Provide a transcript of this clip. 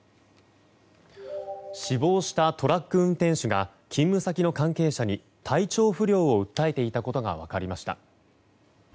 死亡したトラック運転手が勤務先の関係者に体調不良を訴えていたことが分かりました。